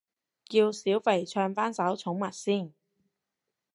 叫小肥唱返首寵物先